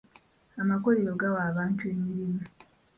Amakolero gawa abantu emirimu.